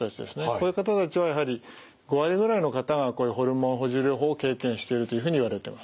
こういう方たちはやはり５割ぐらいの方がこういうホルモン補充療法を経験しているというふうにいわれてます。